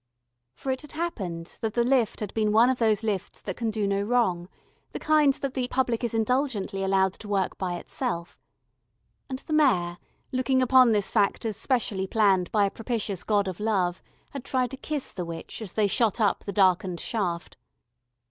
For it had happened that the lift had been one of those lifts that can do no wrong, the kind that the public is indulgently allowed to work by itself. And the Mayor, looking upon this fact as specially planned by a propitious god of love, had tried to kiss the witch as they shot up the darkened shaft.